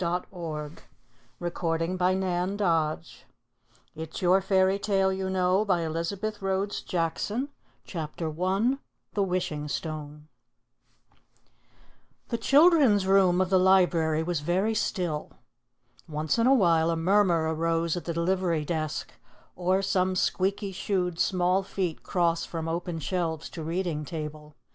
Sammy Tries His Hand 108 IT'S YOUR FAIRY TALE, YOU KNOW CHAPTER I THE WISHING STONE The children's room of the Library was very still. Once in a while a murmur arose at the delivery desk, or some squeaky shoed small feet crossed from open shelves to reading table.